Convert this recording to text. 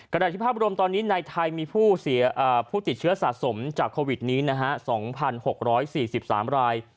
ได้ที่ภาพรวมตอนนี้ในไทยมีผู้ติดเชื้อสะสมจากโควิดนี้๒๖๔๓ราย